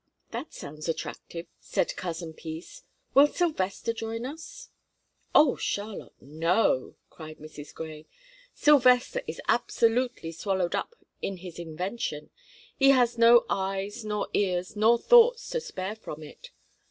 "That sounds attractive," said Cousin Peace. "Will Sylvester join us?" "Oh, Charlotte, no," cried Mrs. Grey. "Sylvester is absolutely swallowed up in his invention; he has no eyes, nor ears, nor thoughts to spare from it.